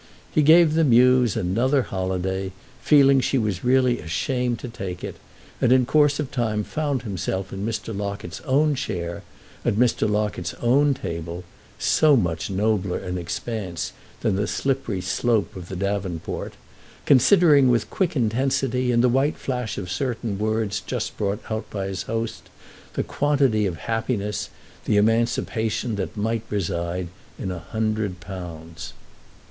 He gave the muse another holiday, feeling she was really ashamed to take it, and in course of time found himself in Mr. Locket's own chair at Mr. Locket's own table—so much nobler an expanse than the slippery slope of the davenport—considering with quick intensity, in the white flash of certain words just brought out by his host, the quantity of happiness, of emancipation that might reside in a hundred pounds.